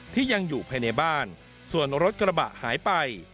ที่ยังอยู่ภายในบ้านส่วนรถกระบะหายไป